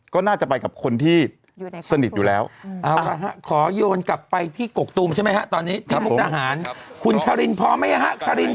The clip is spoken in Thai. ก็น่าจะไปกับคนที่สนิทอยู่แล้วเอาค่ะขอยนกลับไปที่กกตุมใช่ไหมฮะ